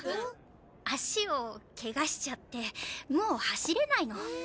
足をケガしちゃってもう走れないの。